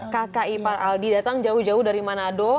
kakak ipar aldi datang jauh jauh dari manado